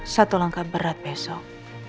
satu langkah berat besok